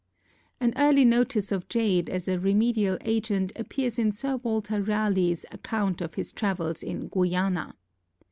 An early notice of jade as a remedial agent appears in Sir Walter Raleigh's account of his travels in Guiana.